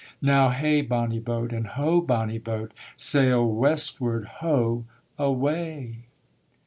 Now hey bonny boat, and ho bonny boat! Sail Westward ho! away!'